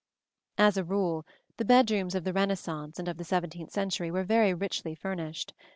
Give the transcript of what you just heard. ] As a rule, the bedrooms of the Renaissance and of the seventeenth century were very richly furnished.